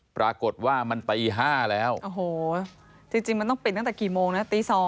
ปรากฏว่ามันตี๕แล้วโอ้โหจริงมันต้องปิดตั้งแต่กี่โมงนะตี๒